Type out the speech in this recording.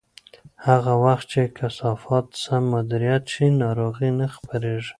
هغه وخت چې کثافات سم مدیریت شي، ناروغۍ نه خپرېږي.